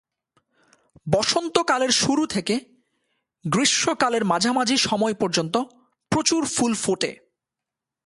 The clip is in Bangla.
বসন্তকালের শুরু থেকে গ্রীষ্মকালের মাঝামাঝি সময় পর্যন্ত প্রচুর ফুল ফোটে।